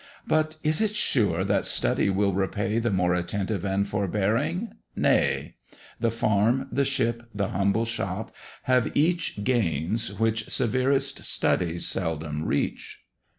"But is it sure that study will repay The more attentive and forbearing?" Nay! The farm, the ship, the humble shop, have each Gains which severest studies seldom reach.